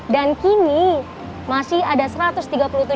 dan kini masih ada satu ratus tiga puluh tujuh yang positif